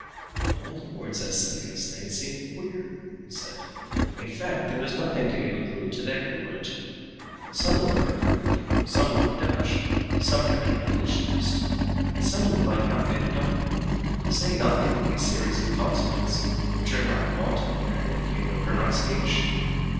"All the words I see in this thing seem queer!" he said. "In fact, there is nothing to give a clue to their origin. Some look like Greek, some like Dutch; some have an English twist, and some look like nothing at all! To say nothing of these series of consonants which are not wanted in any human pronunciation.